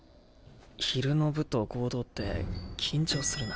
昼の部と合同って緊張するな。